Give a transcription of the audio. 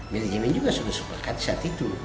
manajemen juga sudah sepakat saat itu